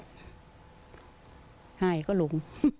ใช่เขาหลุม